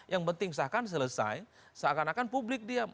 yang penting seakan akan selesai seakan akan publik diam